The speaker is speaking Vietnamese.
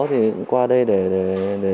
thì qua đây để có thể tìm ra những cái thông tin này